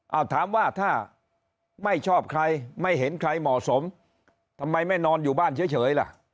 เอาถามว่าถ้าไม่ชอบใครไม่เห็นใครเหมาะสมทำไมไม่นอนอยู่บ้านเฉยล่ะ